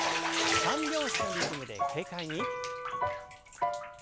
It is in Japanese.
三拍子のリズムで軽快に。